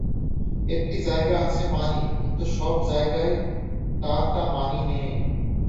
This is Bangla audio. একটা জায়গা আছে মানি, কিন্তু সব জায়গাই তার তা মানি নে।